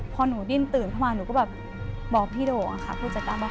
พอหนูดิ้นตื่นเข้ามาหนูก็แบบบอกพี่โด่งค่ะผู้จัดการว่า